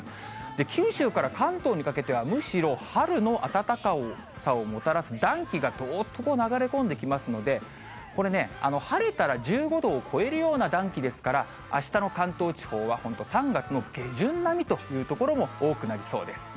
九州から関東にかけてはむしろ春の暖かさをもたらす暖気がどーっと流れ込んできますので、これね、晴れたら１５度を超えるような暖気ですから、あしたの関東地方は本当、３月の下旬並みという所も多くなりそうです。